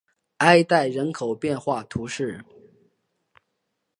埃代人口变化图示